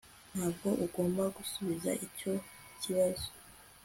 Ntabwo ugomba gusubiza icyo kibazo